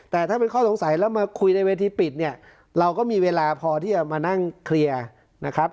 แต่ถ้าเป็นข้อสงสัยแล้วมาคุยในเวทีปิดเนี่ยเราก็มีเวลาพอที่จะมานั่งเคลียร์นะครับ